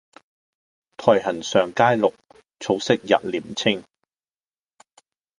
苔痕上階綠，草色入簾青